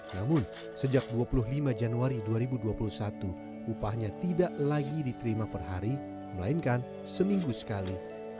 namun sejak dua puluh lima januari dua ribu dua puluh satu upahnya tidak lagi diterima per hari melainkan seminggu sekali